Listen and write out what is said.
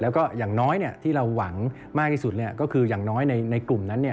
แล้วก็อย่างน้อยเนี้ยที่เราหวังมากที่สุดเนี้ยก็คืออย่างน้อยในในกลุ่มนั้นเนี้ย